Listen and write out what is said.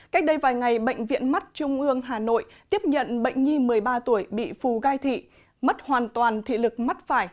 cách đây vài ngày bệnh viện mắt trung ương hà nội tiếp nhận bệnh nhi một mươi ba tuổi bị phù gai thị mất hoàn toàn thị lực mắt phải